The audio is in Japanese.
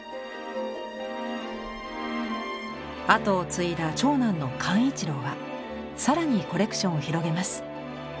後を継いだ長男の幹一郎は更にコレクションを広げます。